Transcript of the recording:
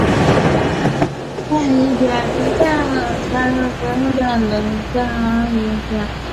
此外担任中华海外联谊会第一届理事会名誉会长等。